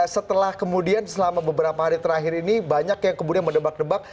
setelah kemudian selama beberapa hari terakhir ini banyak yang kemudian mendebak debak